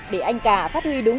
để anh cả phát huy đúng